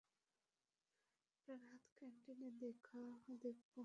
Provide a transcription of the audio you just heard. ডান হাত ক্যান্টিনে দেখবো।